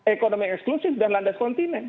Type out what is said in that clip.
ekonomi eksklusif dan landas kontinen